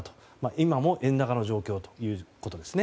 今も円高の状況ということですね。